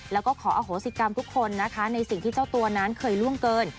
แล้วก็ขออโหสิกรรมทุกคนนะคะในสิ่งที่เจ้าตัวนั้นเคยล่วงเกิน